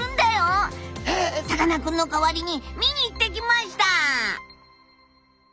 さかなクンの代わりに見に行ってきました！